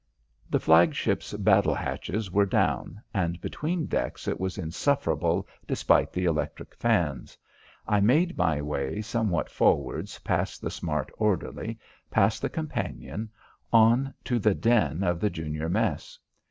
The flag ship's battle hatches were down, and between decks it was insufferable despite the electric fans. I made my way somewhat forwards, past the smart orderly, past the companion, on to the den of the junior mess.